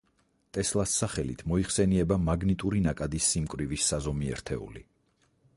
ტესლას სახელით მოიხსენიება მაგნიტური ნაკადის სიმკვრივის საზომი ერთეული.